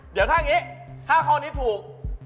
เดี๋ยวถ้าอย่างนี้ถ้าข้อนี้ถูก